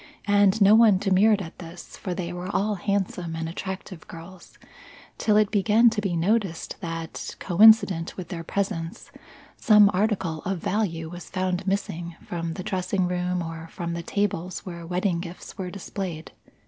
And no one demurred at this, for they were all handsome and attractive girls, till it began to be noticed that, coincident with their presence, some article of value was found missing from the dressing room or from the tables where wedding gifts were displayed.